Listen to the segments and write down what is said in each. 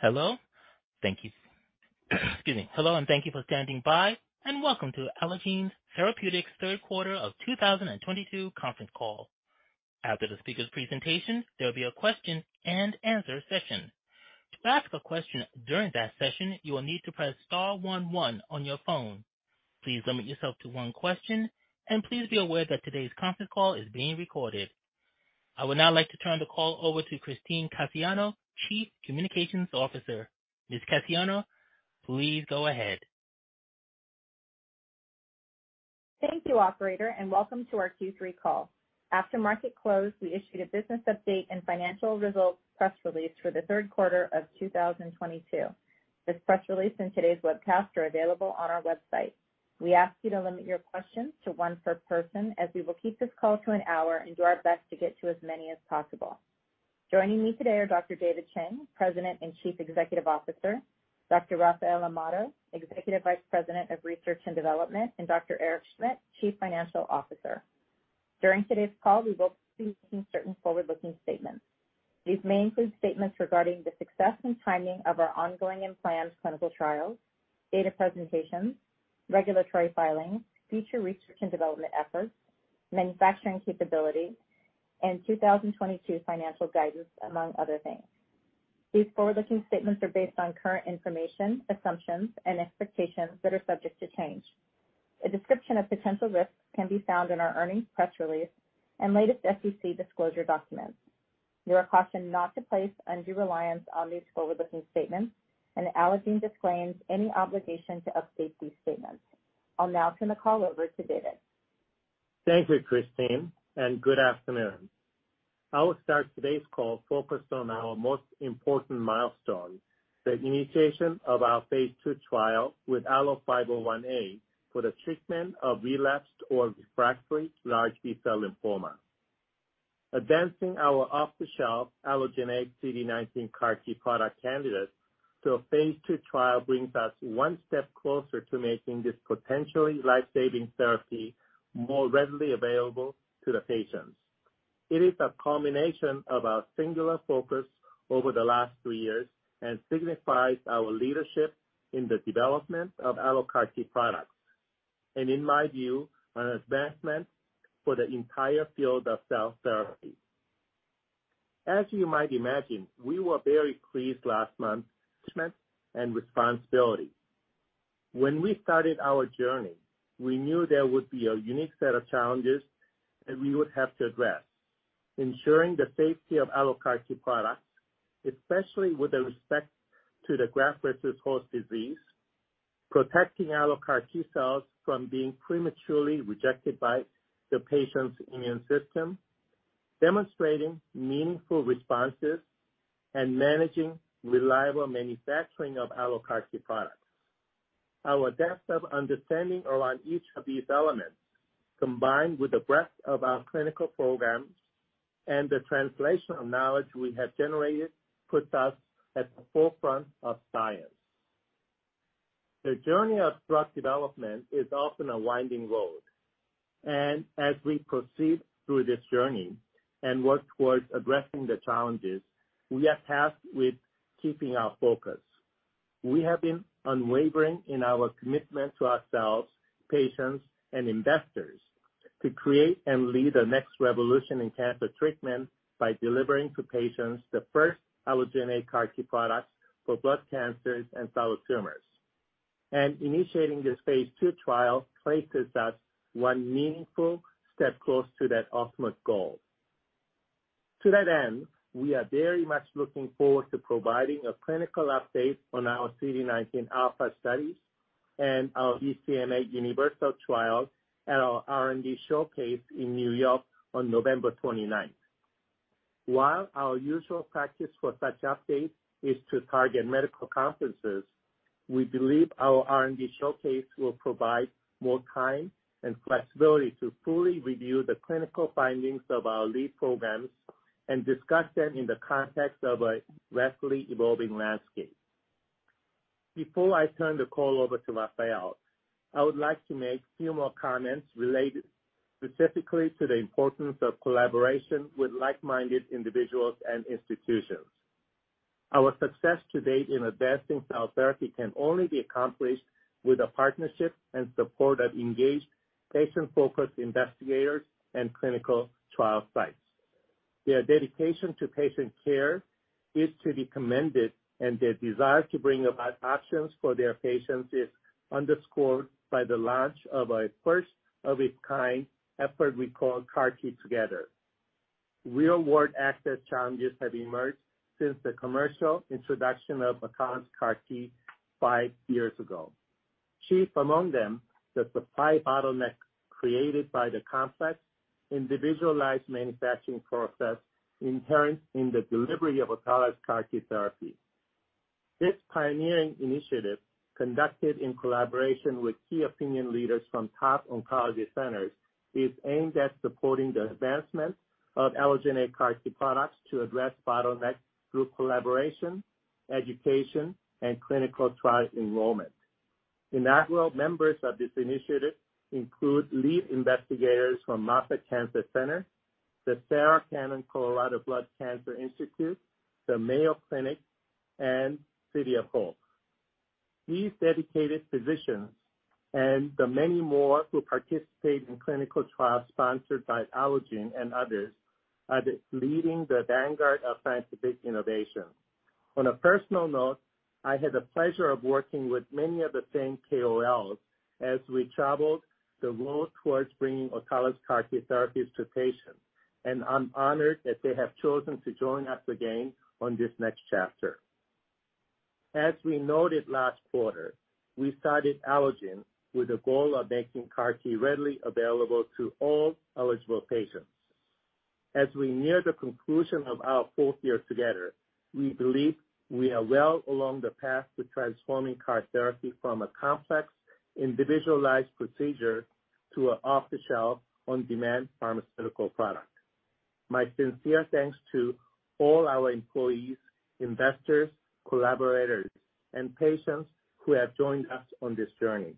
Hello, and thank you for standing by, and welcome to Allogene Therapeutics third quarter of 2022 conference call. After the speaker's presentation, there'll be a question and answer session. To ask a question during that session, you will need to press star one one on your phone. Please limit yourself to one question, and please be aware that today's conference call is being recorded. I would now like to turn the call over to Christine Cassiano, Chief Communications Officer. Ms. Cassiano, please go ahead. Thank you operator, and welcome to our Q3 call. After market close, we issued a business update and financial results press release for the third quarter of 2022. This press release and today's webcast are available on our website. We ask you to limit your questions to 1 per person, as we will keep this call to an hour and do our best to get to as many as possible. Joining me today are Dr. David Chang, President and Chief Executive Officer, Dr. Rafael Amado, Executive Vice President of Research and Development, and Dr. Eric Schmidt, Chief Financial Officer. During today's call, we will be making certain forward-looking statements. These may include statements regarding the success and timing of our ongoing and planned clinical trials, data presentations, regulatory filings, future research and development efforts, manufacturing capability, and 2022 financial guidance, among other things. These forward-looking statements are based on current information, assumptions and expectations that are subject to change. A description of potential risks can be found in our earnings press release and latest SEC disclosure documents. You are cautioned not to place undue reliance on these forward-looking statements, and Allogene disclaims any obligation to update these statements. I'll now turn the call over to David. Thank you, Christine, and good afternoon. I will start today's call focused on our most important milestone, the initiation of our phase II trial with ALLO-501A for the treatment of relapsed or refractory large B-cell lymphoma. Advancing our off-the-shelf allogeneic CD19 CAR T product candidate to a phase II trial brings us one step closer to making this potentially life-saving therapy more readily available to the patients. It is a culmination of our singular focus over the last 2 years and signifies our leadership in the development of AlloCAR T products, and in my view, an advancement for the entire field of cell therapy. As you might imagine, we were very pleased last month. When we started our journey, we knew there would be a unique set of challenges that we would have to address ensuring the safety of AlloCAR T products, especially with respect to the graft-versus-host disease, protecting AlloCAR T cells from being prematurely rejected by the patient's immune system, demonstrating meaningful responses, and managing reliable manufacturing of AlloCAR T products. Our depth of understanding around each of these elements, combined with the breadth of our clinical programs and the translational knowledge we have generated, puts us at the forefront of science. The journey of drug development is often a winding road. As we proceed through this journey and work towards addressing the challenges, we are tasked with keeping our focus. We have been unwavering in our commitment to ourselves, patients, and investors to create and lead the next revolution in cancer treatment by delivering to patients the first allogeneic CAR T products for blood cancers and solid tumors. Initiating this phase II trial places us one meaningful step closer to that ultimate goal. To that end, we are very much looking forward to providing a clinical update on our CD19 ALPHA studies and our BCMA UNIVERSAL trial at our R&D showcase in New York on November 29. While our usual practice for such updates is to target medical conferences, we believe our R&D showcase will provide more time and flexibility to fully review the clinical findings of our lead programs and discuss them in the context of a rapidly evolving landscape. Before I turn the call over to Rafael, I would like to make few more comments related specifically to the importance of collaboration with like-minded individuals and institutions. Our success to date in advancing cell therapy can only be accomplished with the partnership and support of engaged, patient-focused investigators and clinical trial sites. Their dedication to patient care is to be commended, and their desire to bring about options for their patients is underscored by the launch of a first of its kind effort we call CAR T Together. Real-world access challenges have emerged since the commercial introduction of Kymriah's CAR T 5 years ago. Chief among them, the supply bottleneck created by the complex individualized manufacturing process inherent in the delivery of autologous CAR T therapy. This pioneering initiative, conducted in collaboration with key opinion leaders from top oncology centers, is aimed at supporting the advancement of allogeneic CAR T products to address bottlenecks through collaboration, education, and clinical trial enrollment. Inaugural members of this initiative include lead investigators from Moffitt Cancer Center, the Sarah Cannon Colorado Blood Cancer Institute, the Mayo Clinic, and City of Hope. These dedicated physicians and the many more who participate in clinical trials sponsored by Allogene and others are leading the vanguard of scientific innovation. On a personal note, I had the pleasure of working with many of the same KOLs as we traveled the road towards bringing autologous CAR T therapies to patients, and I'm honored that they have chosen to join us again on this next chapter. As we noted last quarter, we started Allogene with the goal of making CAR T readily available to all eligible patients. As we near the conclusion of our fourth year together, we believe we are well along the path to transforming CAR therapy from a complex, individualized procedure to an off-the-shelf, on-demand pharmaceutical product. My sincere thanks to all our employees, investors, collaborators, and patients who have joined us on this journey.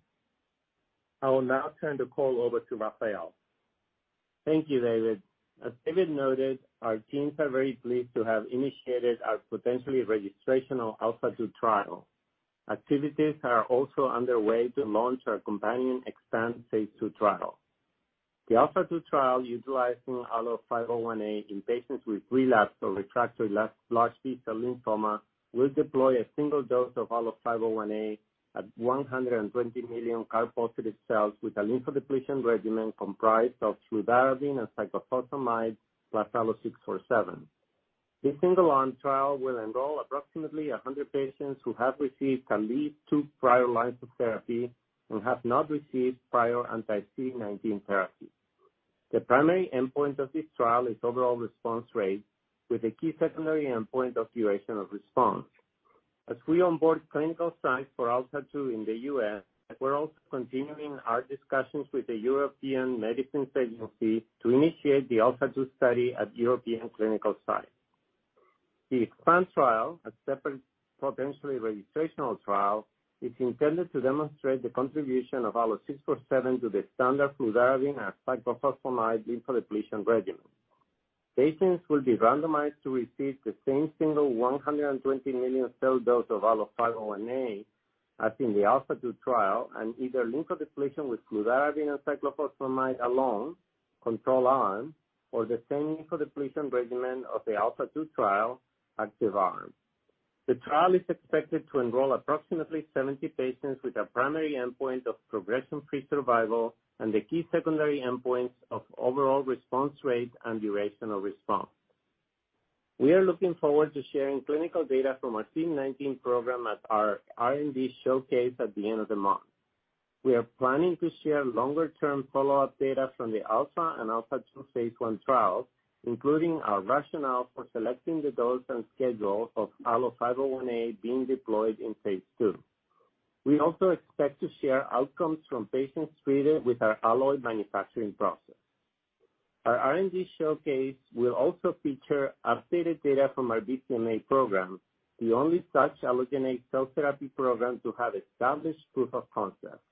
I will now turn the call over to Rafael. Thank you, David. As David noted, our teams are very pleased to have initiated our potentially registrational ALPHA-2 trial. Activities are also underway to launch our companion EXPAND phase II trial. The ALPHA-2 trial utilizing ALLO-501A in patients with relapsed or refractory large B-cell lymphoma will deploy a single dose of ALLO-501A at 120 million CAR-positive cells with a lymphodepletion regimen comprised of fludarabine and cyclophosphamide plus ALLO-647. This single-arm trial will enroll approximately 100 patients who have received at least 2 prior lines of therapy and have not received prior anti-CD19 therapy. The primary endpoint of this trial is overall response rate, with a key secondary endpoint of duration of response. As we onboard clinical sites for ALPHA-2 in the U.S., we're also continuing our discussions with the European Medicines Agency to initiate the ALPHA-2 study at European clinical sites. The EXPAND trial, a separate potentially registrational trial, is intended to demonstrate the contribution of ALLO-647 to the standard fludarabine and cyclophosphamide lymphodepletion regimen. Patients will be randomized to receive the same single 120 million cell dose of ALLO-501A as in the ALPHA-2 trial and either lymphodepletion with fludarabine and cyclophosphamide alone, control arm, or the same lymphodepletion regimen of the ALPHA-2 trial, active arm. The trial is expected to enroll approximately 70 patients with a primary endpoint of progression-free survival and the key secondary endpoints of overall response rate and duration of response. We are looking forward to sharing clinical data from our CD19 program at our R&D showcase at the end of the month. We are planning to share longer-term follow-up data from the ALPHA and ALPHA-2 phase II trial, including our rationale for selecting the dose and schedule of ALLO-501A being deployed in phase II. We also expect to share outcomes from patients treated with our Alloy manufacturing process. Our R&D showcase will also feature updated data from our BCMA program, the only such allogeneic cell therapy program to have established proof of concept.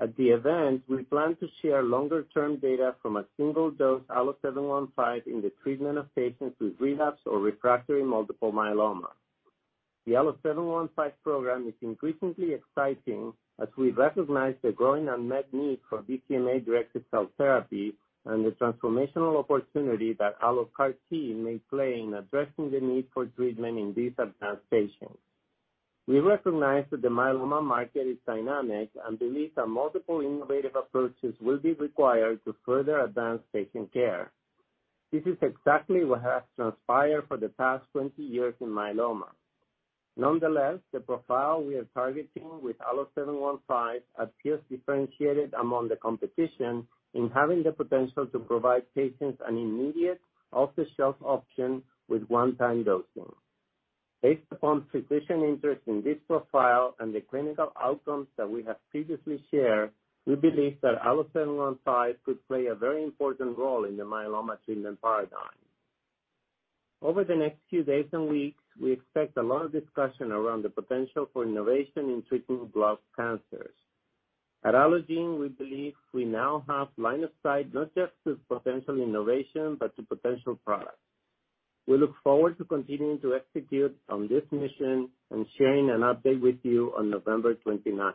At the event, we plan to share longer-term data from a single-dose ALLO-715 in the treatment of patients with relapse or refractory multiple myeloma. The ALLO-715 program is increasingly exciting as we recognize the growing unmet need for BCMA-directed cell therapy and the transformational opportunity that AlloCAR T may play in addressing the need for treatment in these advanced patients. We recognize that the myeloma market is dynamic and believe that multiple innovative approaches will be required to further advance patient care. This is exactly what has transpired for the past 20 years in myeloma. Nonetheless, the profile we are targeting with ALLO-715 appears differentiated among the competition in having the potential to provide patients an immediate off-the-shelf option with one-time dosing. Based upon physician interest in this profile and the clinical outcomes that we have previously shared, we believe that ALLO-715 could play a very important role in the myeloma treatment paradigm. Over the next few days and weeks, we expect a lot of discussion around the potential for innovation in treating blood cancers. At Allogene, we believe we now have line of sight not just to potential innovation, but to potential product. We look forward to continuing to execute on this mission and sharing an update with you on November 29.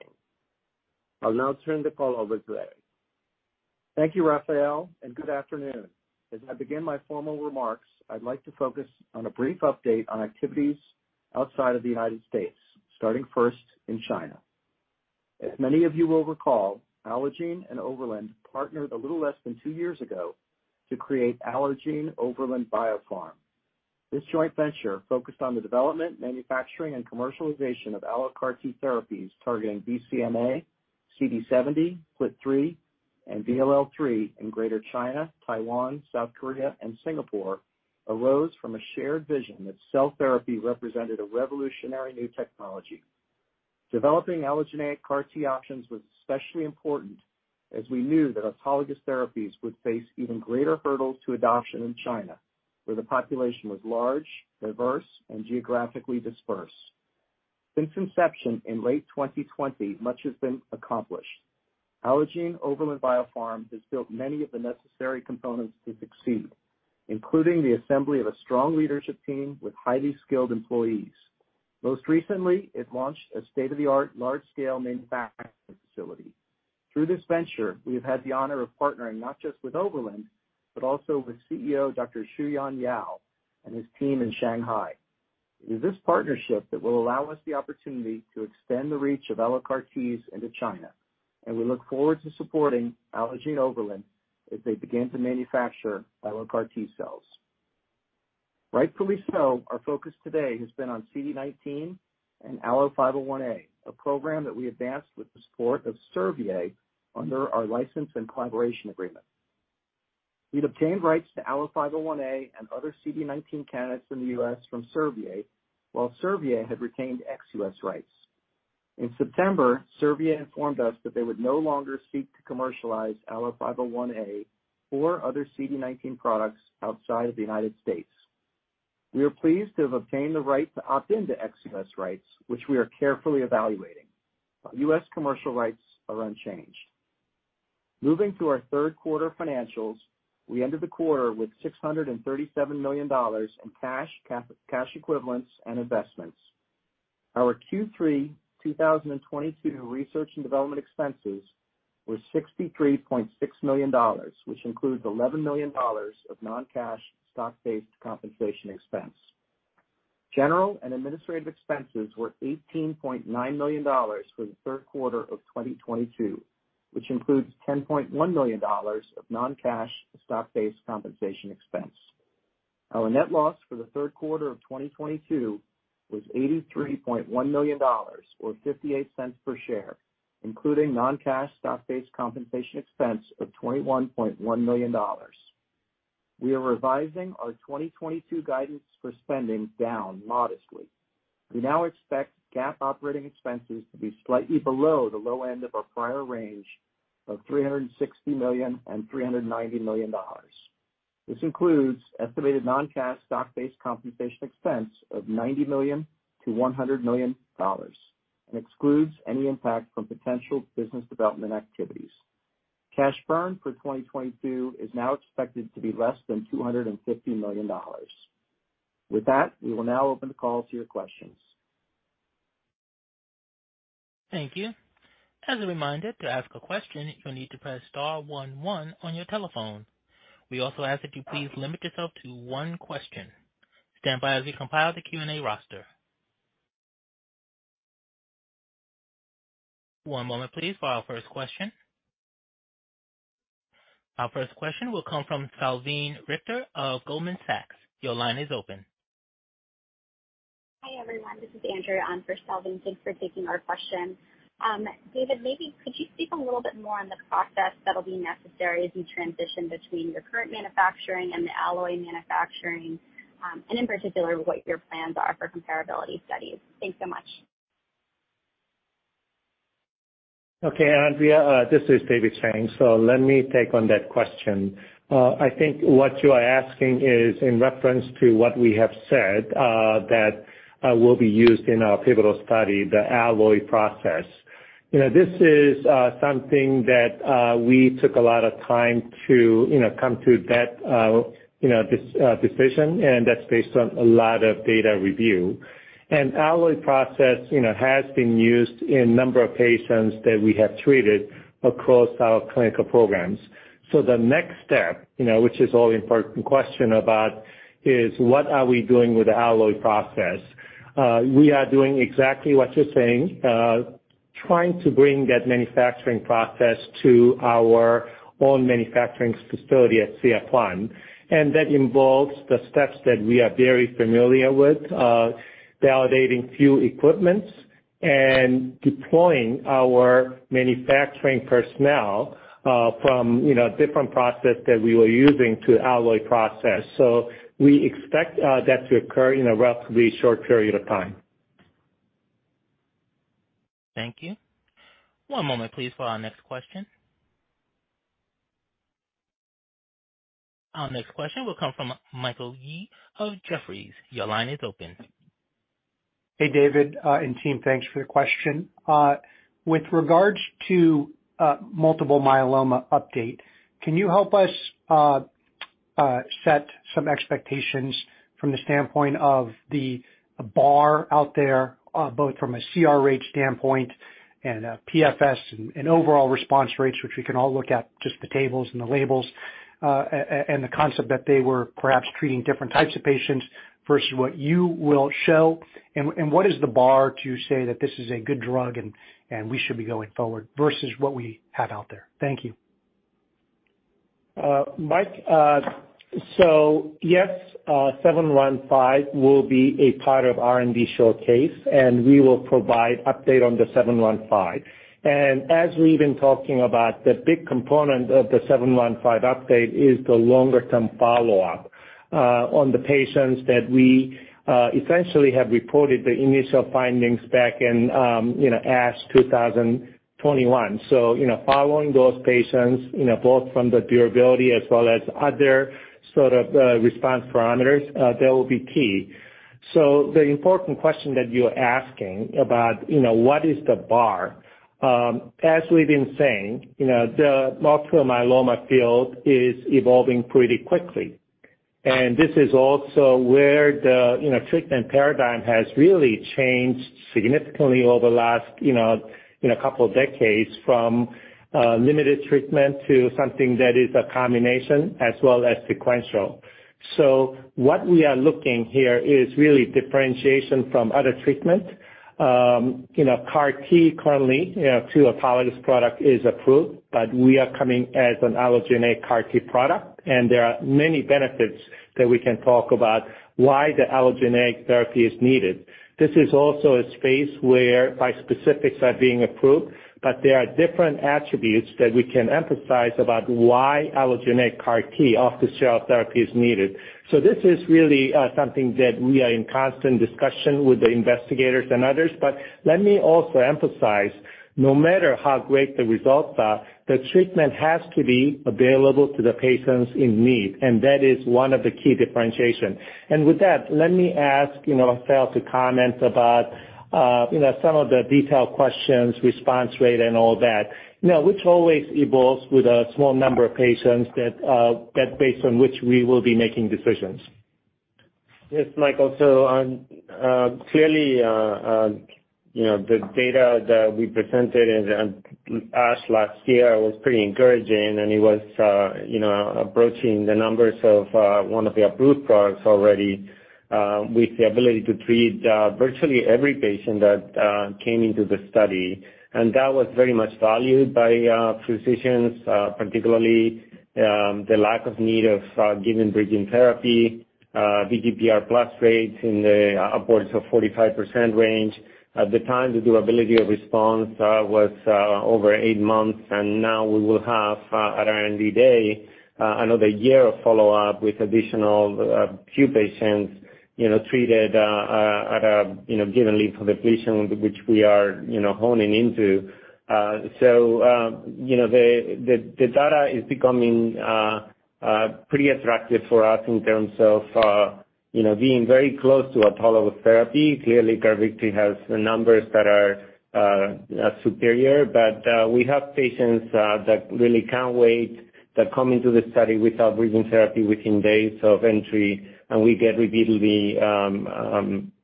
I'll now turn the call over to Eric Schmidt. Thank you, Rafael, and good afternoon. As I begin my formal remarks, I'd like to focus on a brief update on activities outside of the United States, starting first in China. As many of you will recall, Allogene and Overland partnered a little less than 2 years ago to create Allogene Overland Biopharm. This joint venture focused on the development, manufacturing, and commercialization of AlloCAR T therapies targeting BCMA, CD70, DLL3, and DLL3 in Greater China, Taiwan, South Korea, and Singapore arose from a shared vision that cell therapy represented a revolutionary new technology. Developing allogeneic CAR T options was especially important. As we knew that autologous therapies would face even greater hurdles to adoption in China, where the population was large, diverse and geographically dispersed. Since inception in late 2020, much has been accomplished. Allogene Overland Biopharm has built many of the necessary components to succeed, including the assembly of a strong leadership team with highly skilled employees. Most recently, it launched a state-of-the-art large-scale manufacturing facility. Through this venture, we have had the honor of partnering not just with Overland but also with CEO Dr. Shuyan Yao and his team in Shanghai. It is this partnership that will allow us the opportunity to extend the reach of AlloCAR T into China, and we look forward to supporting Allogene Overland as they begin to manufacture AlloCAR T cells. Rightfully so, our focus today has been on CD19 and ALLO-501A, a program that we advanced with the support of Servier under our license and collaboration agreement. We'd obtained rights to ALLO-501A and other CD19 candidates in the U.S. from Servier, while Servier had retained ex-U.S. rights. In September, Servier informed us that they would no longer seek to commercialize ALLO-501A or other CD19 products outside of the United States. We are pleased to have obtained the right to opt in to ex-U.S. rights, which we are carefully evaluating. Our U.S. commercial rights are unchanged. Moving to our third quarter financials, we ended the quarter with $637 million in cash equivalents and investments. Our Q3 2022 research and development expenses was $63.6 million, which includes $11 million of non-cash stock-based compensation expense. General and administrative expenses were $18.9 million for the third quarter of 2022, which includes $10.1 million of non-cash stock-based compensation expense. Our net loss for the third quarter of 2022 was $83.1 million, or 58 cents per share, including non-cash stock-based compensation expense of $21.1 million. We are revising our 2022 guidance for spending down modestly. We now expect GAAP operating expenses to be slightly below the low end of our prior range of $360 million-$390 million. This includes estimated non-cash stock-based compensation expense of $90 million-$100 million and excludes any impact from potential business development activities. Cash burn for 2022 is now expected to be less than $250 million. With that, we will now open the call to your questions. Thank you. As a reminder, to ask a question, you'll need to press star one one on your telephone. We also ask that you please limit yourself to one question. Stand by as we compile the Q&A roster. One moment please for our first question. Our first question will come from Salveen Richter of Goldman Sachs. Your line is open. Hi everyone, this is Andrea on for Salveen. Thanks for taking our question. David, maybe could you speak a little bit more on the process that'll be necessary as you transition between your current manufacturing and the Alloy manufacturing, and in particular what your plans are for comparability studies? Thanks so much. Okay, Andrea, this is David Chang, so let me take on that question. I think what you are asking is in reference to what we have said, that will be used in our pivotal study, the Alloy process. You know, this is something that we took a lot of time to, you know, come to that, you know, decision, and that's based on a lot of data review. Alloy process, you know, has been used in a number of patients that we have treated across our clinical programs. The next step, you know, which is all important question about, is what are we doing with the Alloy process? We are doing exactly what you're saying, trying to bring that manufacturing process to our own manufacturing facility at Cell Forge 1. That involves the steps that we are very familiar with, validating few equipment and deploying our manufacturing personnel from different process that we were using to Alloy process. We expect that to occur in a relatively short period of time. Thank you. One moment please for our next question. Our next question will come from Michael Yee of Jefferies. Your line is open. Hey David, and team, thanks for the question. With regards to a multiple myeloma update, can you help us set some expectations from the standpoint of the bar out there, both from a CR standpoint and a PFS and overall response rates, which we can all look at just the tables and the labels, and the concept that they were perhaps treating different types of patients versus what you will show, and what is the bar to say that this is a good drug and we should be going forward versus what we have out there? Thank you. Mike. Yes, 715 will be a part of R&D showcase, and we will provide update on the 715. As we've been talking about, the big component of the 715 update is the longer term follow-up on the patients that we essentially have reported the initial findings back in, you know, ASH 2021. You know, following those patients, you know, both from the durability as well as other sort of response parameters that will be key. The important question that you're asking about, you know, what is the bar? As we've been saying, you know, the multiple myeloma field is evolving pretty quickly. This is also where the, you know, treatment paradigm has really changed significantly over the last, you know, couple of decades from limited treatment to something that is a combination as well as sequential. What we are looking here is really differentiation from other treatments. You know, CAR T currently, you know, 2 autologous products is approved, but we are coming as an allogeneic CAR T product, and there are many benefits that we can talk about why the allogeneic therapy is needed. This is also a space where bispecifics are being approved, but there are different attributes that we can emphasize about why allogeneic CAR T off-the-shelf therapy is needed. This is really something that we are in constant discussion with the investigators and others. Let me also emphasize, no matter how great the results are, the treatment has to be available to the patients in need, and that is one of the key differentiation. With that, let me ask, you know, Sal to comment about, you know, some of the detailed questions, response rate and all that. You know, which always evolves with a small number of patients that based on which we will be making decisions. Yes, Michael. Clearly, you know, the data that we presented in ASH last year was pretty encouraging, and it was, you know, approaching the numbers of one of the approved products already, with the ability to treat virtually every patient that came into the study. That was very much valued by physicians, particularly, the lack of need of giving bridging therapy, VGPR plus rates in the upwards of 45% range. At the time, the duration of response was over 8 months, and now we will have, at our R&D day, another year of follow-up with additional few patients, you know, treated, at a given lymphodepletion, which we are, you know, honing into. The data is becoming pretty attractive for us in terms of you know, being very close to autologous therapy. Clearly, Carvykti has the numbers that are superior, but we have patients that really can't wait, that come into the study without bridging therapy within days of entry, and we get repeatedly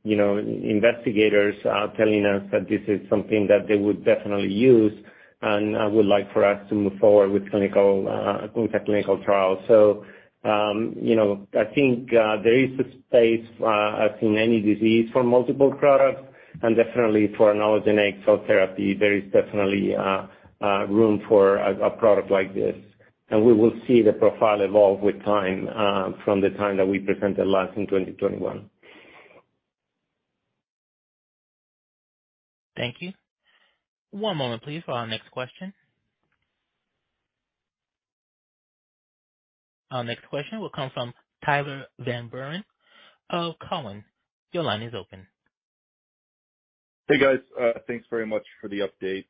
you know, investigators telling us that this is something that they would definitely use and would like for us to move forward with clinical in the clinical trial. You know, I think there is a space as in any disease for multiple products and definitely for an allogeneic cell therapy, there is definitely room for a product like this. We will see the profile evolve with time, from the time that we presented last in 2021. Thank you. One moment please for our next question. Our next question will come from Tyler Van Buren of Cowen. Your line is open. Hey, guys. Thanks very much for the update.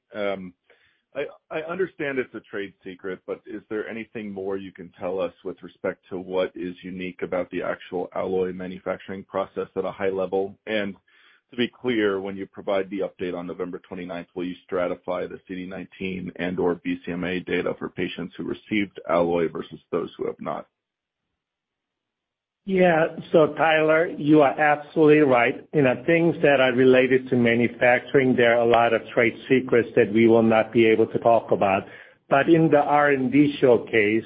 I understand it's a trade secret, but is there anything more you can tell us with respect to what is unique about the actual Alloy manufacturing process at a high level? To be clear, when you provide the update on November 29th, will you stratify the CD19 and/or BCMA data for patients who received Alloy versus those who have not? Yeah. Tyler, you are absolutely right. You know, things that are related to manufacturing, there are a lot of trade secrets that we will not be able to talk about. In the R&D showcase,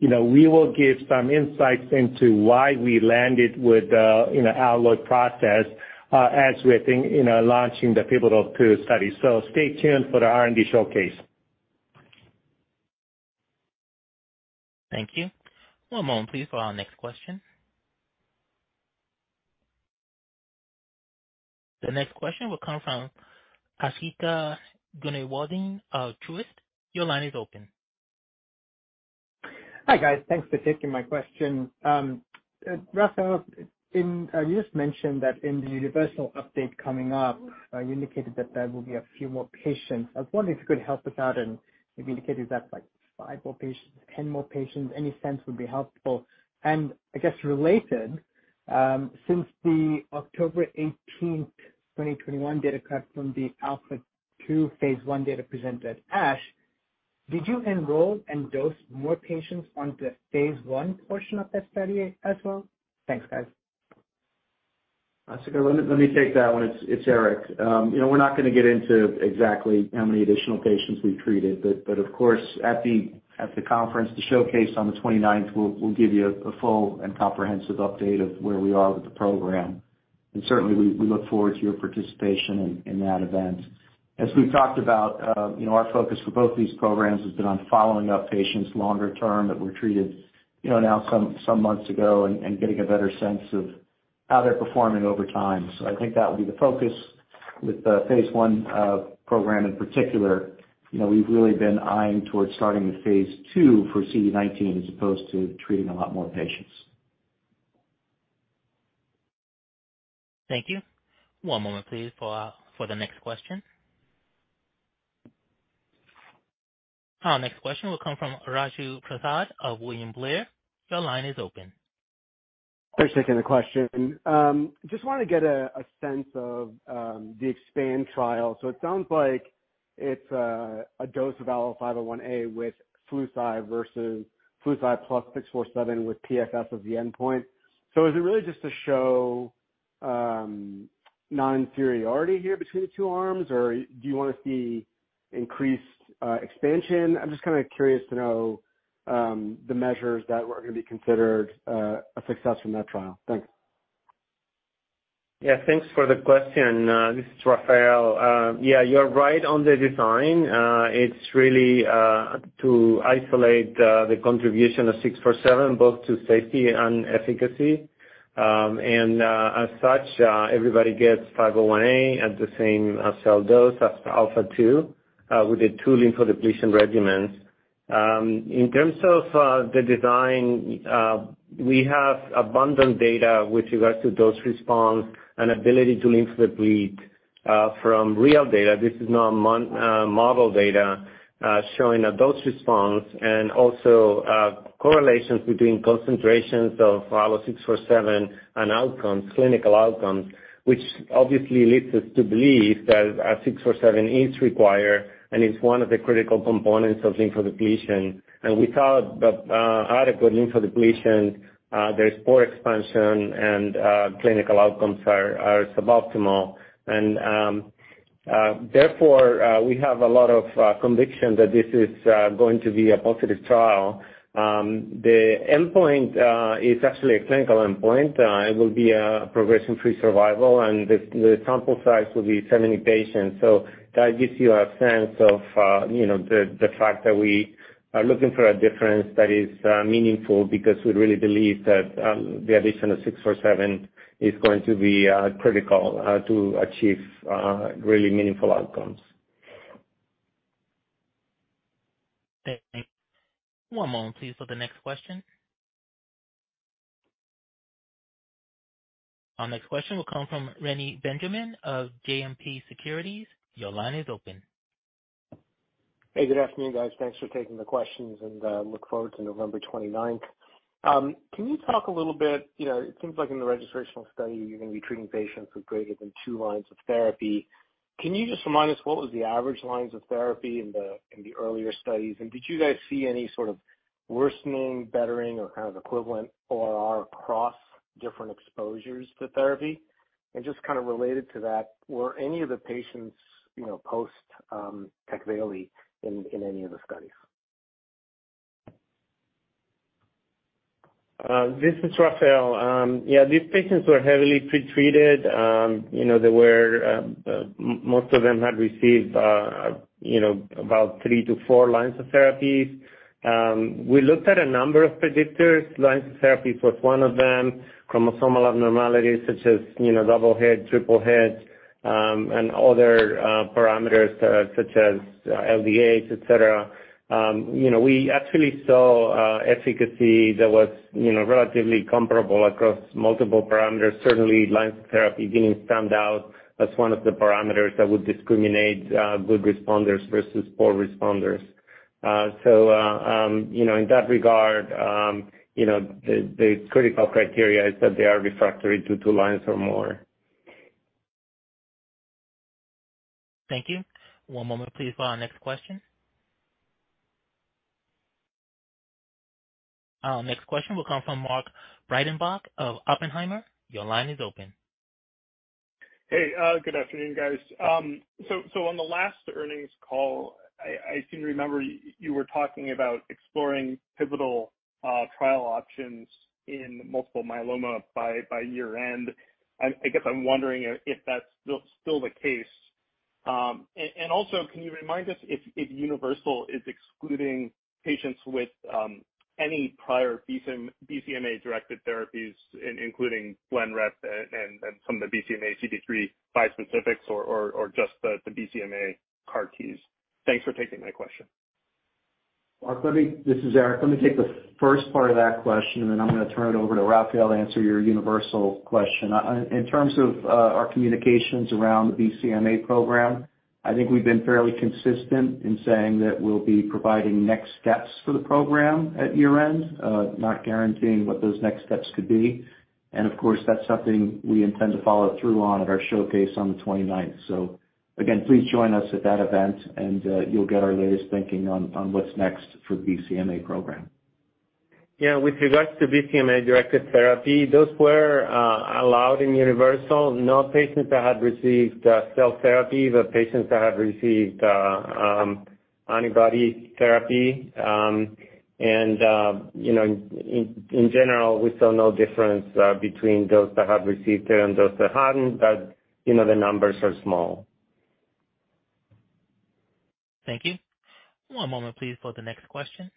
you know, we will give some insights into why we landed with, you know, Alloy process, as we're think, you know, launching the pivotal 2 study. Stay tuned for the R&D showcase. Thank you. One moment please for our next question. The next question will come from Asthika Goonewardene of Truist. Your line is open. Hi, guys. Thanks for taking my question. Rafael, you just mentioned that in the UNIVERSAL update coming up, you indicated that there will be a few more patients. I was wondering if you could help us out and maybe indicate if that's like 5 more patients, 10 more patients. Any sense would be helpful. I guess related, since the October 18, 2021 data cut from the ALPHA2 phase 1 data presented at ASH, did you enroll and dose more patients on the phase 1 portion of that study as well? Thanks, guys. Asthika, let me take that one. It's Eric. You know, we're not gonna get into exactly how many additional patients we've treated, but of course, at the conference, the showcase on the 29th, we'll give you a full and comprehensive update of where we are with the program. Certainly we look forward to your participation in that event. As we've talked about, you know, our focus for both these programs has been on following up patients longer term that were treated, you know, now some months ago and getting a better sense of how they're performing over time. I think that will be the focus with the phase 1 program in particular. You know, we've really been eyeing towards starting the phase II for CD19 as opposed to treating a lot more patients. Thank you. One moment please for the next question. Our next question will come from Raju Prasad of William Blair. Your line is open. Thanks for taking the question. Just wanna get a sense of the EXPAND trial. It sounds like it's a dose of ALLO-501A with Flu/Cy versus Flu/Cy plus ALLO-647 with PFS as the endpoint. Is it really just to show non-inferiority here between the 2 arms? Or do you wanna see increased expansion? I'm just kinda curious to know the measures that are gonna be considered a success from that trial. Thanks. Yeah, thanks for the question. This is Rafael Amado. Yeah, you're right on the design. It's really to isolate the contribution of ALLO-647, both to safety and efficacy. As such, everybody gets ALLO-501A at the same cell dose as ALPHA2 with the 2 lymphodepletion regimens. In terms of the design, we have abundant data with regards to dose response and ability to lymphodeplete from real data. This is not model data showing a dose response and also correlations between concentrations of our ALLO-647 and outcomes, clinical outcomes, which obviously leads us to believe that ALLO-647 is required and is one of the critical components of lymphodepletion. Without the adequate lymphodepletion, there's poor expansion and clinical outcomes are suboptimal. Therefore, we have a lot of conviction that this is going to be a positive trial. The endpoint is actually a clinical endpoint. It will be progression-free survival, and the sample size will be 70 patients. That gives you a sense of you know the fact that we are looking for a difference that is meaningful because we really believe that the addition of ALLO-647 is going to be critical to achieve really meaningful outcomes. Thanks. One moment please for the next question. Our next question will come from Reni Benjamin of JMP Securities. Your line is open. Hey, good afternoon, guys. Thanks for taking the questions, and look forward to November twenty-ninth. Can you talk a little bit, you know, it seems like in the registrational study you're gonna be treating patients with greater than 2 lines of therapy. Can you just remind us what was the average lines of therapy in the earlier studies? Did you guys see any sort of worsening, bettering or kind of equivalent ORR across different exposures to therapy? Just kind of related to that, were any of the patients, you know, post Tecvayli in any of the studies? This is Rafael. Yeah, these patients were heavily pretreated. You know, most of them had received you know, about 3-4 lines of therapy. We looked at a number of predictors. Lines of therapy was one of them. Chromosomal abnormalities such as you know, double-hit, triple-hit and other parameters such as LDH, et cetera. You know, we actually saw efficacy that was you know, relatively comparable across multiple parameters. Certainly, lines of therapy didn't stand out as one of the parameters that would discriminate good responders versus poor responders. You know, in that regard you know, the critical criteria is that they are refractory to 2 lines or more. Thank you. One moment please for our next question. Our next question will come from Mark Breidenbach of Oppenheimer. Your line is open. Hey, good afternoon, guys. On the last earnings call, I seem to remember you were talking about exploring pivotal trial options in multiple myeloma by year-end. I guess I'm wondering if that's still the case. Also, can you remind us if UNIVERSAL is excluding patients with any prior BCMA-directed therapies, including Blenrep and some of the BCMA CD3 bispecifics or just the BCMA CAR Ts? Thanks for taking my question. Mark, this is Eric. Let me take the first part of that question, and then I'm gonna turn it over to Rafael to answer your Universal question. In terms of our communications around the BCMA program, I think we've been fairly consistent in saying that we'll be providing next steps for the program at year-end, not guaranteeing what those next steps could be. Of course, that's something we intend to follow through on at our showcase on the 29th. Again, please join us at that event, and you'll get our latest thinking on what's next for BCMA program. Yeah, with regards to BCMA-directed therapy, those were allowed in UNIVERSAL. No patients that had received cell therapy, but patients that had received antibody therapy. You know, in general, we saw no difference between those that have received it and those that hadn't. You know, the numbers are small. Thank you. One moment, please, for the next question.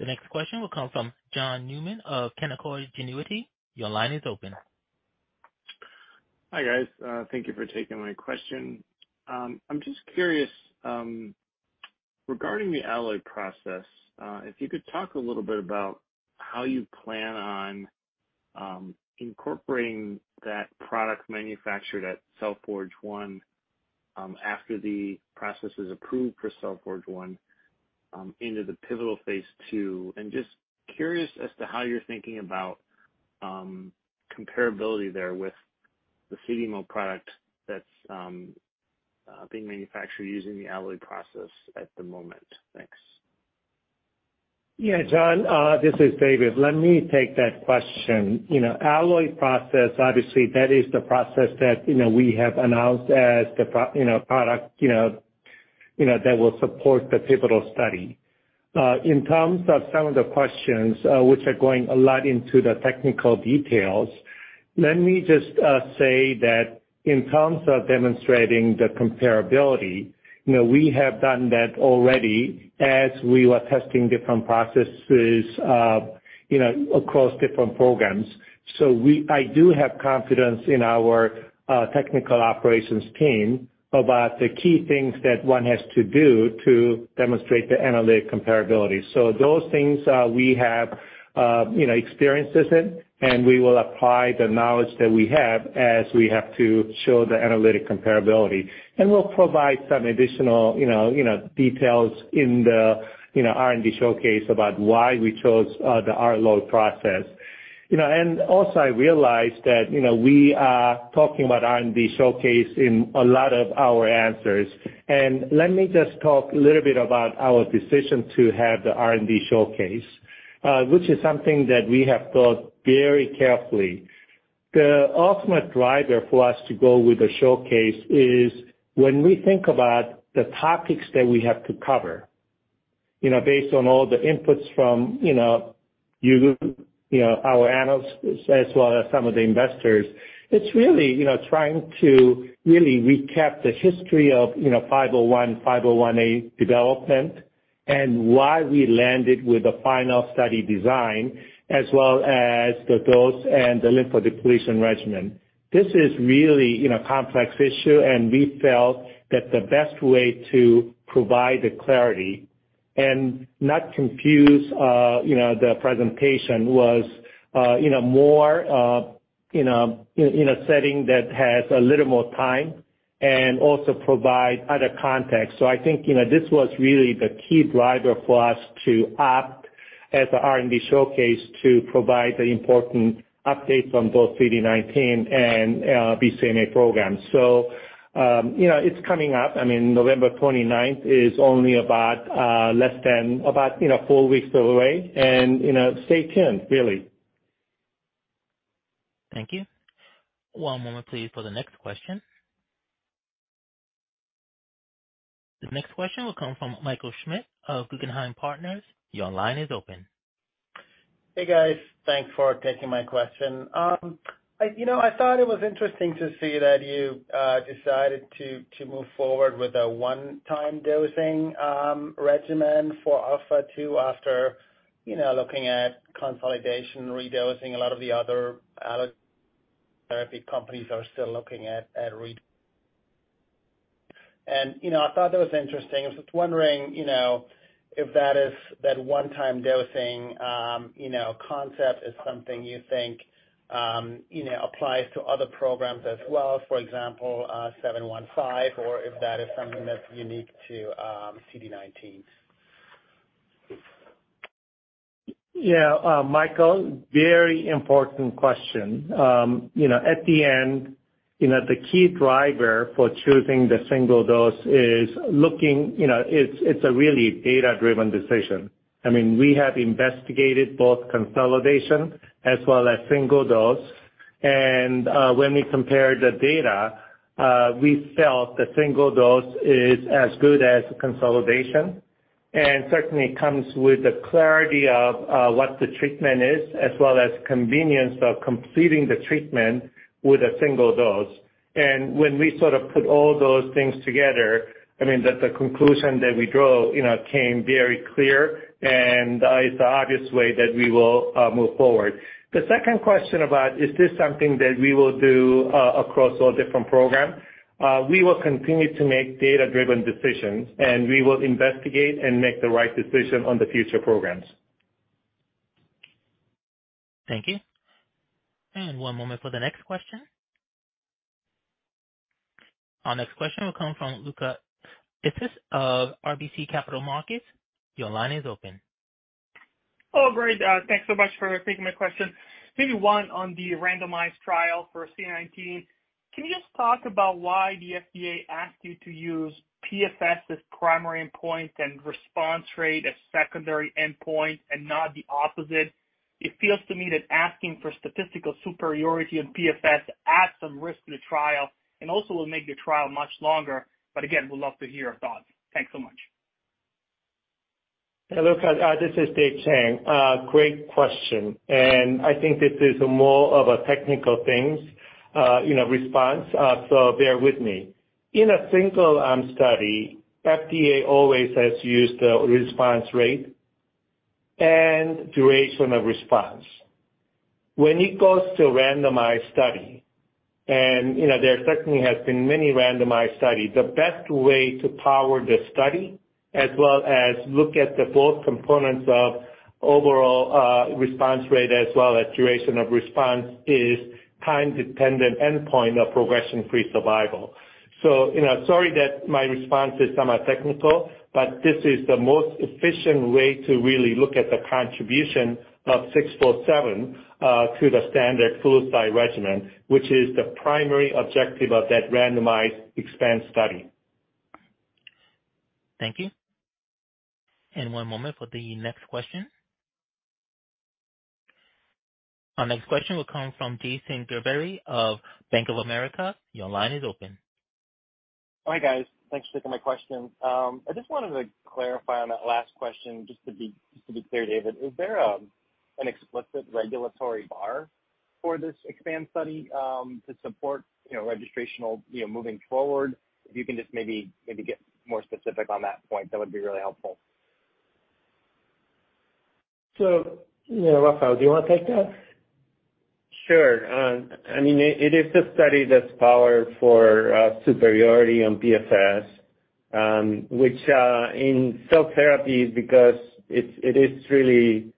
The next question will come from John Newman of Canaccord Genuity. Your line is open. Hi, guys. Thank you for taking my question. I'm just curious. Regarding the Alloy process, if you could talk a little bit about how you plan on incorporating that product manufactured at Cell Forge 1, after the process is approved for Cell Forge 1, into the pivotal phase II. Just curious as to how you're thinking about comparability there with the CDMO product that's being manufactured using the Alloy process at the moment. Thanks. Yeah, John, this is David. Let me take that question. You know, Alloy process, obviously, that is the process that, you know, we have announced as the process, you know, that will support the pivotal study. In terms of some of the questions, which are going a lot into the technical details, let me just say that in terms of demonstrating the comparability, you know, we have done that already as we were testing different processes, you know, across different programs. I do have confidence in our technical operations team about the key things that one has to do to demonstrate the analytical comparability. Those things, we have, you know, experience with it, and we will apply the knowledge that we have to show the analytical comparability. We'll provide some additional, you know, details in the R&D showcase about why we chose the Alloy process. You know, also I realize that, you know, we are talking about R&D showcase in a lot of our answers. Let me just talk a little bit about our decision to have the R&D showcase, which is something that we have thought very carefully. The ultimate driver for us to go with the showcase is when we think about the topics that we have to cover, you know, based on all the inputs from, you know, you know, our analysts as well as some of the investors, it's really, you know, trying to really recap the history of, you know, 501, 501A development and why we landed with the final study design as well as the dose and the lymphodepletion regimen. This is really, you know, complex issue, and we felt that the best way to provide the clarity and not confuse, you know, the presentation was, you know, more, you know, in a setting that has a little more time and also provide other context. I think, you know, this was really the key driver for us to opt at the R&D showcase to provide the important updates on both CD19 and BCMA programs. You know, it's coming up. I mean, November twenty-ninth is only less than about, you know, 4 weeks away. You know, stay tuned, really. Thank you. One moment, please, for the next question. The next question will come from Michael Schmidt of Guggenheim Partners. Your line is open. Hey, guys. Thanks for taking my question. You know, I thought it was interesting to see that you decided to move forward with a one-time dosing regimen for ALPHA2 after looking at consolidation redosing. A lot of the other allo therapy companies are still looking at redosing. You know, I thought that was interesting. I was just wondering, you know, if that one-time dosing concept is something you think applies to other programs as well, for example, ALLO-715, or if that is something that's unique to CD19. Yeah, Michael, very important question. You know, at the end, you know, the key driver for choosing the single dose is looking, you know, it's a really data-driven decision. I mean, we have investigated both consolidation as well as single dose. When we compare the data, we felt the single dose is as good as consolidation and certainly comes with the clarity of what the treatment is, as well as convenience of completing the treatment with a single dose. When we sort of put all those things together, I mean, the conclusion that we draw, you know, came very clear, and it's the obvious way that we will move forward. The second question about is this something that we will do across all different programs? We will continue to make data-driven decisions, and we will investigate and make the right decision on the future programs. Thank you. One moment for the next question. Our next question will come from Luca. Oh, great. Thanks so much for taking my question. Maybe one on the randomized trial for CD19. Can you just talk about why the FDA asked you to use PFS as primary endpoint and response rate as secondary endpoint and not the opposite? It feels to me that asking for statistical superiority on PFS adds some risk to the trial and also will make the trial much longer. Again, would love to hear your thoughts. Thanks so much. Hey, Luca, this is Dave Chang. Great question, and I think this is more of a technical thing, you know, response, so bear with me. In a single study, FDA always has used the response rate and duration of response. When it goes to randomized study, and, you know, there certainly has been many randomized studies, the best way to power the study as well as look at the both components of overall response rate as well as duration of response is time-dependent endpoint of progression-free survival. You know, sorry that my response is somewhat technical, but this is the most efficient way to really look at the contribution of ALLO-647 to the standard Flu/Cy regimen, which is the primary objective of that randomized EXPAND study. Thank you. One moment for the next question. Our next question will come from Jason Gerberry of Bank of America. Your line is open. Hi, guys. Thanks for taking my question. I just wanted to clarify on that last question just to be clear, David. Is there an explicit regulatory bar for this EXPAND study to support, you know, registrational, you know, moving forward? If you can just maybe get more specific on that point, that would be really helpful. you know, Rafael, do you wanna take that? Sure. I mean, it is a study that's powered for superiority on PFS, which in cell therapies because it is really,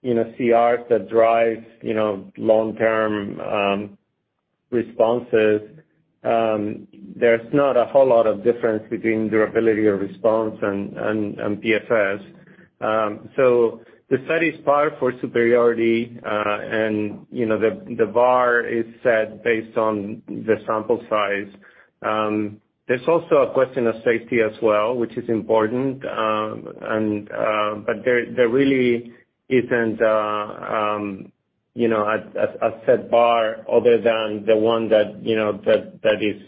you know, CR that drives, you know, long-term responses, there's not a whole lot of difference between durability of response and PFS. The study is powered for superiority, and you know the bar is set based on the sample size. There's also a question of safety as well, which is important. There really isn't, you know, a set bar other than the one that, you know, that is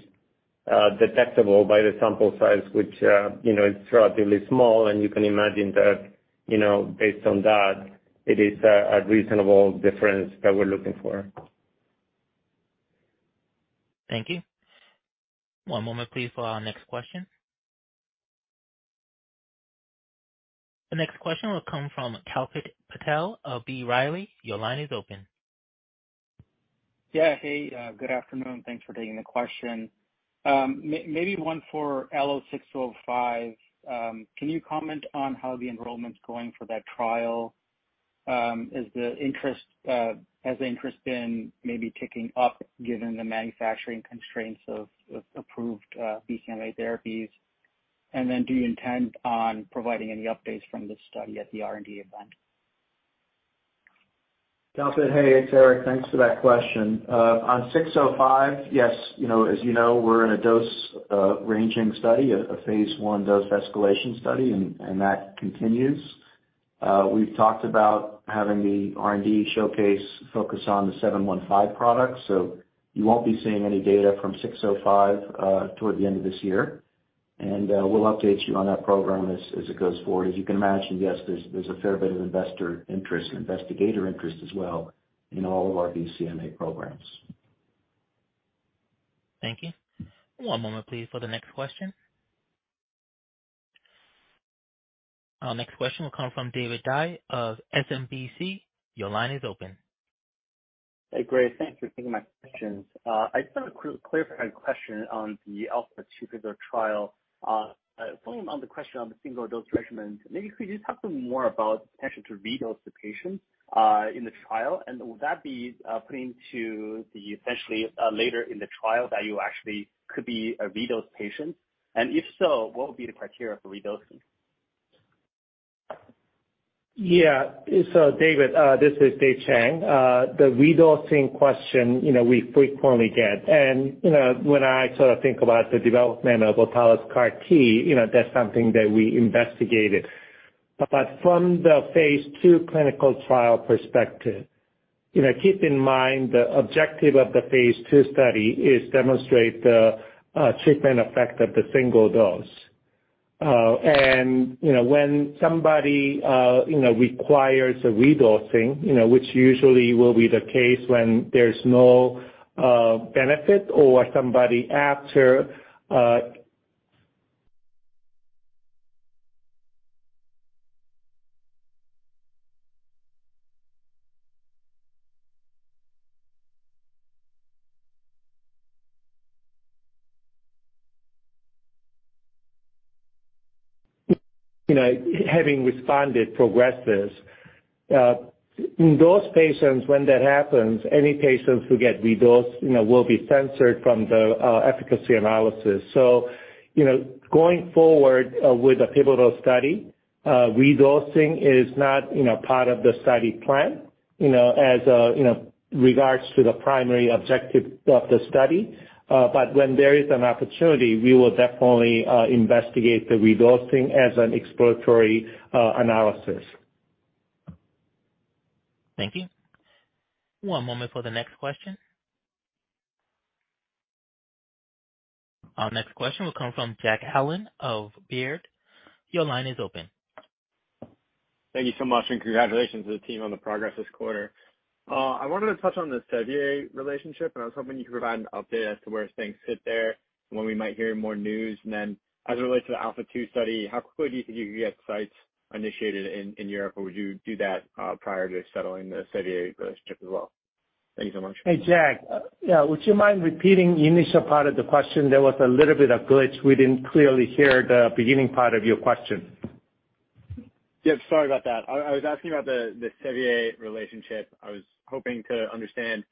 detectable by the sample size which, you know, is relatively small. You can imagine that, you know, based on that, it is a reasonable difference that we're looking for. Thank you. One moment please for our next question. The next question will come from Kalpit Patel of B. Riley. Your line is open. Hey, good afternoon. Thanks for taking the question. Maybe one for ALLO-605. Can you comment on how the enrollment's going for that trial? Has the interest been maybe ticking up given the manufacturing constraints of approved BCMA therapies? Do you intend on providing any updates from this study at the R&D event? Kalpit, hey, it's Eric. Thanks for that question. On ALLO-605, yes, you know, as you know, we're in a dose ranging study, a Phase 1 dose escalation study and that continues. We've talked about having the R&D showcase focus on the ALLO-715 products, so you won't be seeing any data from ALLO-605 toward the end of this year. We'll update you on that program as it goes forward. As you can imagine, yes, there's a fair bit of investor interest and investigator interest as well in all of our BCMA programs. Thank you. One moment please for the next question. Our next question will come from David Dai of SMBC. Your line is open. Hey, great. Thanks for taking my questions. I just have a clarifying question on the ALPHA2 trial. Following on the question on the single dose regimen, maybe could you talk to me more about potential to redose the patient in the trial? Would that be essentially later in the trial that you actually could be a redosed patient? If so, what would be the criteria for redosing? Yeah. David, this is Dave Chang. The redosing question, you know, we frequently get. You know, when I sort of think about the development of autologous CAR T, you know, that's something that we investigated. From the phase II clinical trial perspective, you know, keep in mind the objective of the phase II study is demonstrate the treatment effect of the single dose. You know, when somebody, you know, requires a redosing, you know, which usually will be the case when there's no benefit or somebody after, you know, having responded progresses, in those patients when that happens, any patients who get redosed, you know, will be censored from the efficacy analysis. You know, going forward with the pivotal study, redosing is not, you know, part of the study plan, you know, as, you know, regards to the primary objective of the study. When there is an opportunity, we will definitely investigate the redosing as an exploratory analysis. Thank you. One moment for the next question. Our next question will come from Jack Allen of Baird. Your line is open. Thank you so much, and congratulations to the team on the progress this quarter. I wanted to touch on the Servier relationship, and I was hoping you could provide an update as to where things sit there and when we might hear more news. As it relates to the ALPHA-2 study, how quickly do you think you could get sites initiated in Europe? Or would you do that prior to settling the Servier relationship as well? Thank you so much. Hey, Jack. Yeah, would you mind repeating the initial part of the question? There was a little bit of glitch. We didn't clearly hear the beginning part of your question. Yeah, sorry about that. I was asking about the Servier relationship. I was hoping to understand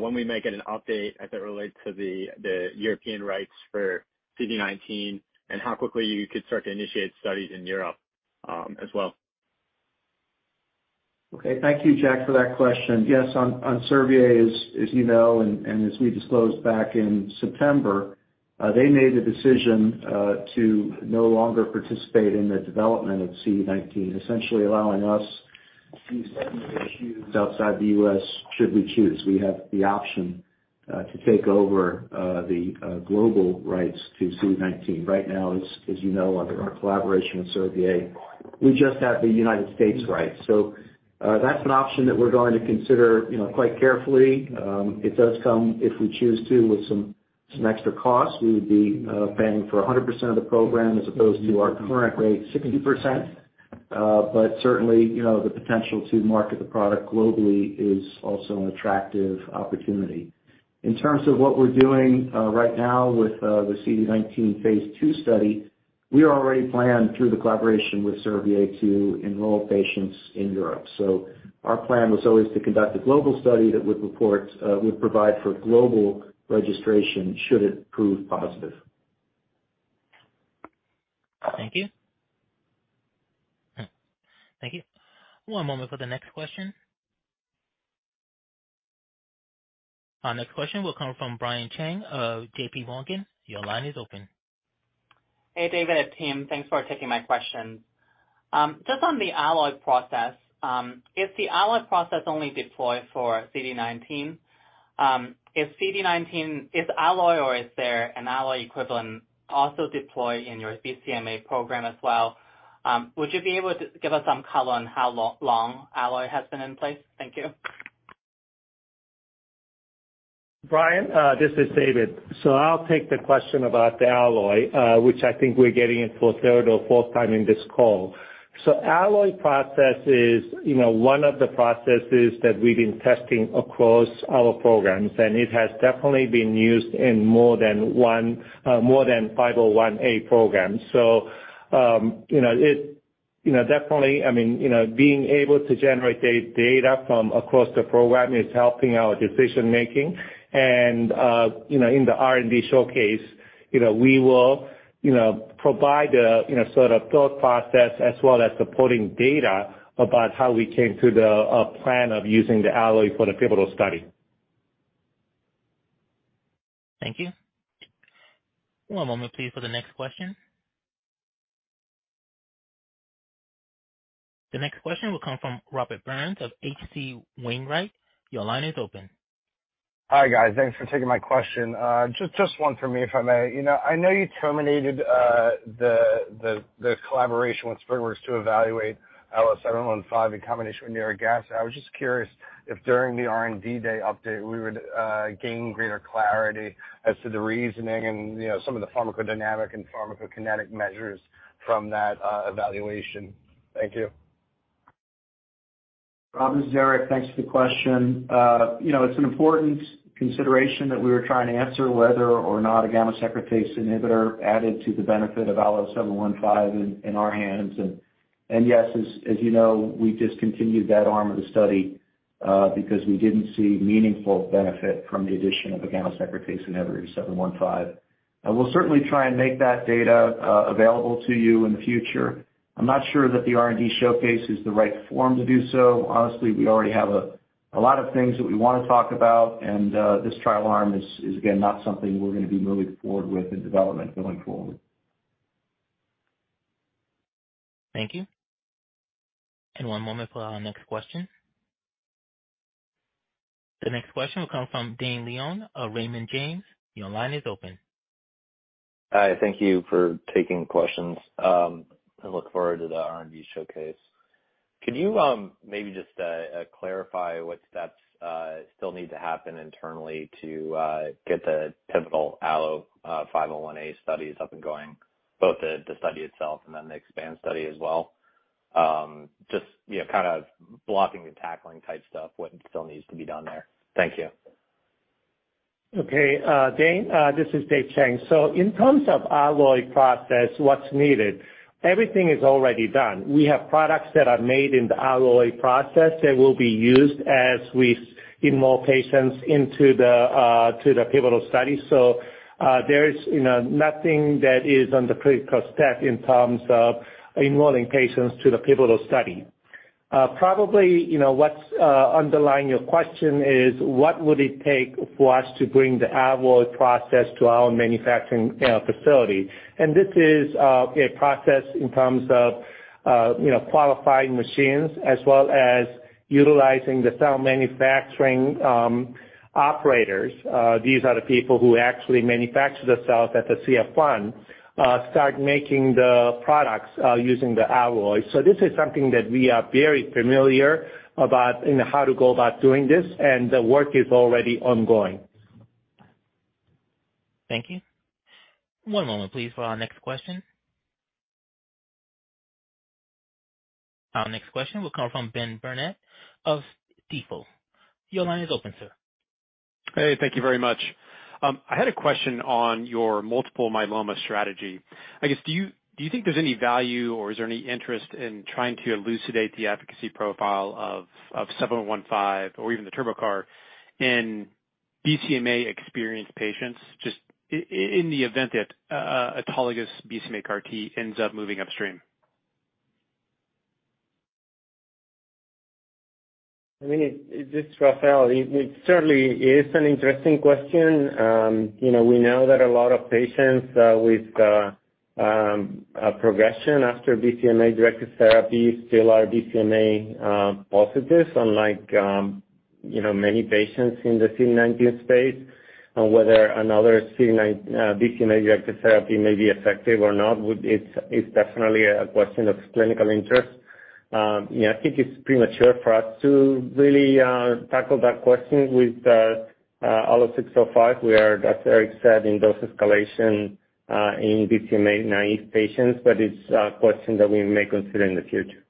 when we might get an update as it relates to the European rights for CD19, and how quickly you could start to initiate studies in Europe, as well. Okay. Thank you, Jack, for that question. Yes, on Servier, as you know and as we disclosed back in September, they made the decision to no longer participate in the development of CD19, essentially allowing us to use outside the US should we choose. We have the option to take over the global rights to CD19. Right now, as you know, under our collaboration with Servier, we just have the United States rights. That's an option that we're going to consider, you know, quite carefully. It does come, if we choose to, with some extra costs. We would be paying for 100% of the program as opposed to our current rate, 60%. Certainly, you know, the potential to market the product globally is also an attractive opportunity. In terms of what we're doing right now with the CD19 phase II study, we already planned through the collaboration with Servier to enroll patients in Europe. Our plan was always to conduct a global study that would provide for global registration should it prove positive. Thank you. Thank you. One moment for the next question. Our next question will come from Brian Cheng of J.P. Morgan. Your line is open. Hey, David and team, thanks for taking my question. Just on the Alloy process, is the Alloy process only deployed for CD 19? Is there an Alloy equivalent also deployed in your BCMA program as well? Would you be able to give us some color on how long Alloy has been in place? Thank you. Brian, this is David. I'll take the question about the Alloy, which I think we're getting it for third or fourth time in this call. Alloy process is, you know, one of the processes that we've been testing across our programs, and it has definitely been used in more than one, more than ALLO-501A programs. You know, it, you know, definitely, I mean, you know, being able to generate the data from across the program is helping our decision-making. You know, in the R&D showcase, you know, we will, you know, provide a, you know, sort of thought process as well as supporting data about how we came to the, plan of using the Alloy for the pivotal study. Thank you. One moment please for the next question. The next question will come from Robert Burns of H.C. Wainwright. Your line is open. Hi, guys. Thanks for taking my question. Just one for me, if I may. You know, I know you terminated the collaboration with SpringWorks to evaluate ALLO-715 in combination with nirogacestat. I was just curious if during the R&D day update, we would gain greater clarity as to the reasoning and, you know, some of the pharmacodynamic and pharmacokinetic measures from that evaluation. Thank you. Rob, this is Derek. Thanks for the question. You know, it's an important consideration that we were trying to answer whether or not a gamma secretase inhibitor added to the benefit of ALLO-715 in our hands. Yes, as you know, we discontinued that arm of the study because we didn't see meaningful benefit from the addition of a gamma secretase inhibitor ALLO-715. We'll certainly try and make that data available to you in the future. I'm not sure that the R&D showcase is the right forum to do so. Honestly, we already have a lot of things that we wanna talk about, and this trial arm is again not something we're gonna be moving forward with in development going forward. Thank you. One moment for our next question. The next question will come from Dane Leone of Raymond James. Your line is open. Hi. Thank you for taking questions. I look forward to the R&D showcase. Could you maybe just clarify what steps still need to happen internally to get the pivotal ALLO-501A studies up and going, both the study itself and then the EXPAND study as well? Just, you know, kind of blocking and tackling type stuff, what still needs to be done there. Thank you. Okay. Dane Leone, this is Dave Chang. In terms of Alloy process, what's needed, everything is already done. We have products that are made in the Alloy process that will be used as we enroll patients into the pivotal study. There is, you know, nothing that is under critical step in terms of enrolling patients to the pivotal study. Probably, you know, what's underlying your question is what would it take for us to bring the Alloy process to our manufacturing, you know, facility? This is a process in terms of, you know, qualifying machines as well as utilizing the cell manufacturing operators. These are the people who actually manufacture the cells at the Cell Forge 1, start making the products using the Alloy. This is something that we are very familiar about, you know, how to go about doing this, and the work is already ongoing. Thank you. One moment please for our next question. Our next question will come from Benjamin Burnett of BMO. Your line is open, sir. Hey, thank you very much. I had a question on your multiple myeloma strategy. I guess, do you think there's any value or is there any interest in trying to elucidate the efficacy profile of 715 or even the TurboCAR in BCMA experienced patients, just in the event that autologous BCMA CAR T ends up moving upstream? I mean, this is Rafael. It certainly is an interesting question. You know, we know that a lot of patients with a progression after BCMA-directed therapy still are BCMA positives, unlike you know many patients in the CD19 space. On whether another CD19 BCMA-directed therapy may be effective or not. It's definitely a question of clinical interest. Yeah, I think it's premature for us to really tackle that question with the ALLO-605. We are, as Eric said, in dose escalation in BCMA naive patients, but it's a question that we may consider in the future.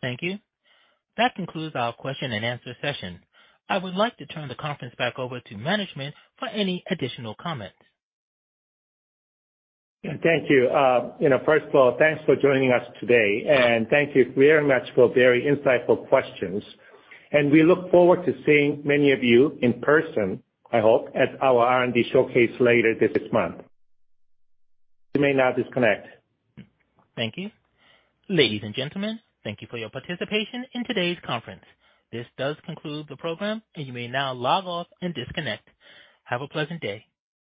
Thank you. That concludes our question and answer session. I would like to turn the conference back over to management for any additional comments. Thank you. You know, first of all, thanks for joining us today, and thank you very much for very insightful questions. We look forward to seeing many of you in person, I hope, at our R&D showcase later this month. You may now disconnect. Thank you. Ladies and gentlemen, thank you for your participation in today's conference. This does conclude the program, and you may now log off and disconnect. Have a pleasant day.